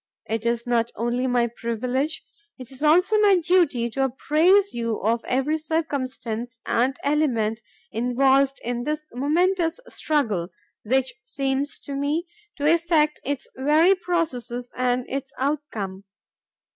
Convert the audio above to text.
It is not only my privilege, it is also my duty to appraise you of every circumstance and element involved in this momentous struggle which seems to me to affect its very processes and its outcome.